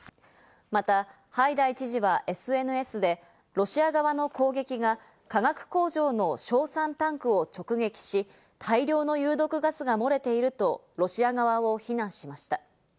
またハイダイ知事はＳＮＳでロシア側の攻撃が化学工場の硝酸タンクを直撃し、大量の有毒ガスが漏れているとロシア側を非難しました。